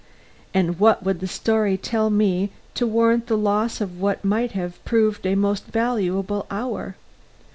And what would the story tell me to warrant the loss of what might have proved a most valuable hour?